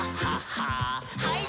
はい。